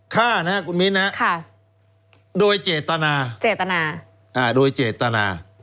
ฆ่านะฮะคุณมินนะฮะโดยเจตนาโดยเจตนา